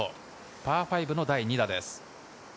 パー５の第２打です。